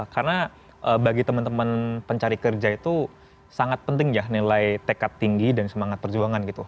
karena bagi teman teman pencari kerja itu sangat penting ya nilai tekad tinggi dan semangat perjuangan gitu